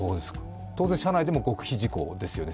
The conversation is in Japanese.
当然社内でも極秘事項ですよね。